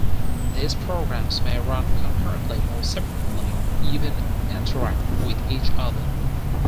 These programs may run concurrently or separately, even interact with each other.